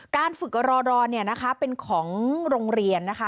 การฝึกรอดอเนี่ยนะคะเป็นของโรงเรียนนะคะ